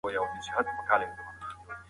خو د هوښیارو خلکو تېروتنې کمې وي.